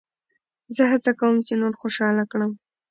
زه هڅه کوم، چي نور خوشحاله کړم.